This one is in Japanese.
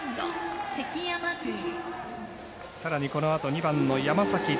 さらにこのあと２番の山崎凌